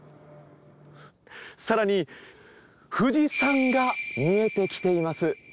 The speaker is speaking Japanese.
更に富士山が見えてきています。